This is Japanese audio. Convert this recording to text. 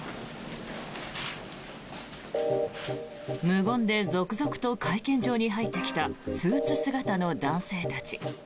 無言で続々と会見場に入ってきたスーツ姿の男性たち。